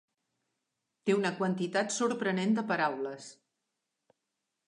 Té una quantitat sorprenent de paraules.